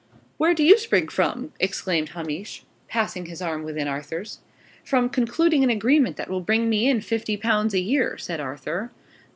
"Where do you spring from?" exclaimed Hamish, passing his arm within Arthur's. "From concluding an agreement that will bring me in fifty pounds a year," said Arthur.